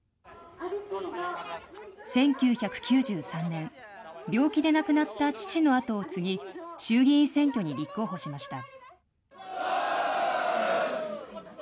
１９９３年、病気で亡くなった父の後を継ぎ、衆議院選挙に立候補しました。